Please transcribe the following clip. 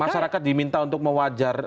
masyarakat diminta untuk mewajar